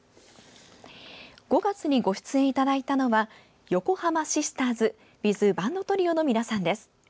５月にご出演いただいたのは横濱シスターズｗｉｔｈバンドトリオの皆さん。